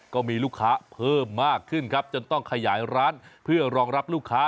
ก็มีลูกค้าเพิ่มมากขึ้นครับจนต้องขยายร้านเพื่อรองรับลูกค้า